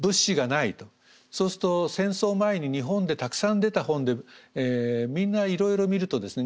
そうすると戦争前に日本でたくさん出た本でみんないろいろ見るとですね